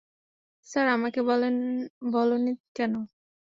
Sir--- - আমাকে বলোনি কেন?